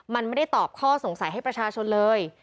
มันไม่ได้ตอบข้อสงสัยให้ประชาชนเลย